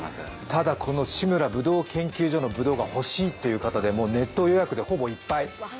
ただ、この志村葡萄研究所のぶどうが欲しいという方でネット予約でもうほぼいっぱい。